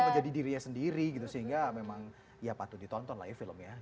menjadi dirinya sendiri gitu sehingga memang ya patut ditonton lah ya filmnya